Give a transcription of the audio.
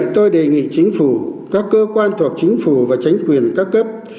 tôi đề nghị chính phủ các cơ quan thuộc chính phủ và chính quyền các cấp